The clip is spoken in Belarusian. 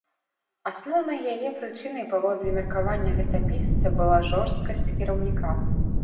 Асноўнай яе прычынай, паводле меркавання летапісца, была жорсткасць кіраўніка.